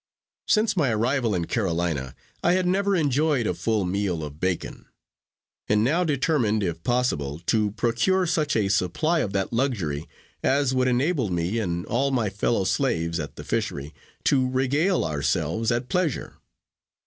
Since my arrival in Carolina I had never enjoyed a full meal of bacon; and now determined, if possible, to procure such a supply of that luxury as would enable me and all my fellow slaves at the fishery to regale ourselves at pleasure.